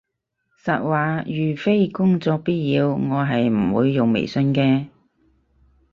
實話，如非工作必要，我係唔會用微信嘅